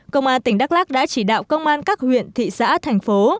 công an tỉnh đắk lắc đã chỉ đạo công an các huyện thị xã thành phố